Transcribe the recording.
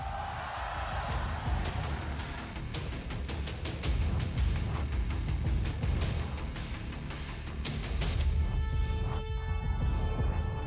jokowi mencari pahlawan yang menarik untuk menangkap rakyat indonesia